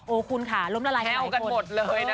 โอ้คุณค่ะล้มละลายใหม่แพ้วกันหมดเลยนะคะ